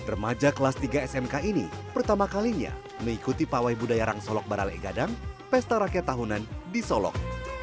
remaja kelas tiga smk ini pertama kalinya mengikuti pawai budaya rang solok baralai gadang pesta rakyat tahunan di solok